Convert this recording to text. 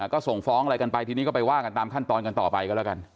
ก็ส่งฟ้องอะไรกันไปทีนี้ก็ไปว่ากันตามขั้นตอนกันต่อไปก็แล้วกัน